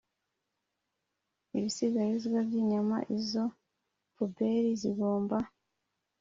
ibisigarizwa by inyama Izo pubeli zigomba